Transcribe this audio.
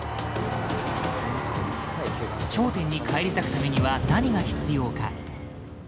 頂点に返り咲くためには何が必要か。